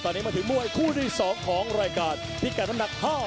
จุดแรกในคำสั่งของการแรกของ๕๔หมุน